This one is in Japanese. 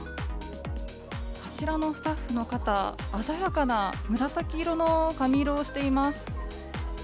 あちらのスタッフの方鮮やかな紫色の髪色をしています。